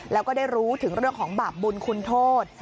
แล้วก็ได้รู้ถึงเรื่องของบาปบุญคุณโทษ